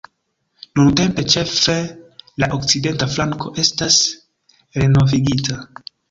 Nuntempe ĉefe la okcidenta flanko estas renovigita.